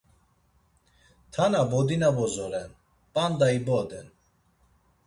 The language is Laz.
Tana bodina bozo ren, p̌anda iboden.